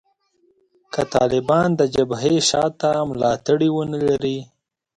که طالبان د جبهې شا ته ملاتړي ونه لري